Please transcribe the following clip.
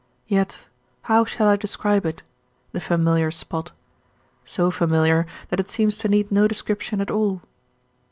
Yet how shall I describe it the familiar spot; so familiar that it seems to need no description at all.